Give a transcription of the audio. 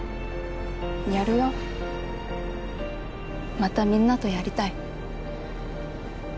またみんなとやりたい。